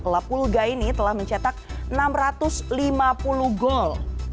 lapulga ini telah mencetak enam ratus lima puluh gol